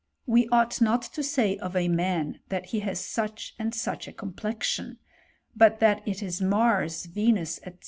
We ought not to say of a man that • he has such and such a complexion; but that it is Mars, Venus, &c.